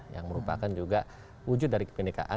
yang merupakan juga wujud dari kebenekaan